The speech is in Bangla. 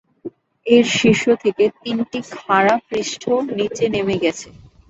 এর শীর্ষ থেকে তিনটি খাড়া পৃষ্ঠ নিচে নেমে গেছে।